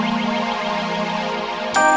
tolong ada yang mau melahirkan